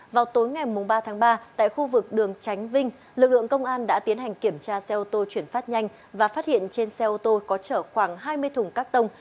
vào tối ngày ba tháng ba tại khu vực đường tránh vinh lực lượng công an đã tiến hành kiểm tra xe ô tô chuyển phát nhanh và phát hiện trên xe ô tô có chở khoảng hai mươi thùng các tông